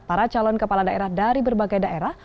para calon kepala daerah dari berbagai daerah